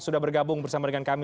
sudah bergabung bersama dengan kami